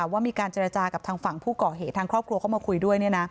ว่ามีการเจรจากับทางฝั่งผู้ก่อเหตุทางครอบครัวเข้ามาคุยด้วย